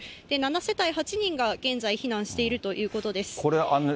７世帯８人が現在避難しているとこれ、今、雨雲。